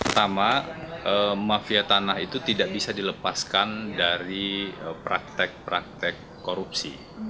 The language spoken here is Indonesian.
pertama mafia tanah itu tidak bisa dilepaskan dari praktek praktek korupsi